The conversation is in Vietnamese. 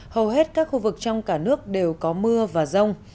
hầu hết các khu vực trong cả nước đều có mưa và rông